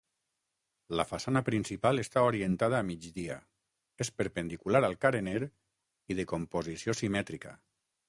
La façana principal està orientada a migdia, és perpendicular al carener i de composició simètrica.